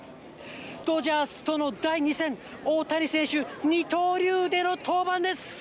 ドジャースとの第２戦、大谷選手、二刀流での登板です。